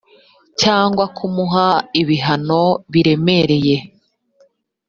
cyangwa kumuha ibihano biremereye